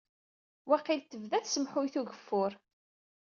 Waqil tebda tsemhuyt ugeffur.